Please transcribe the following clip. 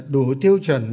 đủ tiêu chuẩn